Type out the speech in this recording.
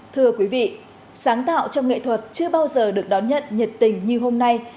thưa quý vị sáng tạo trong nghệ thuật chưa bao giờ được đón nhận nhiệt tình như hôm nay